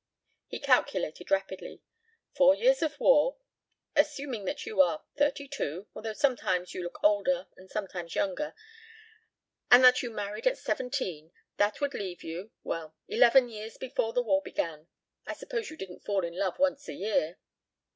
He calculated rapidly. "Four years of war. Assuming that you are thirty two, although sometimes you look older and sometimes younger, and that you married at seventeen, that would leave you well, eleven years before the war began. I suppose you didn't fall in love once a year?"